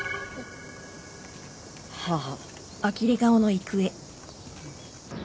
はあ。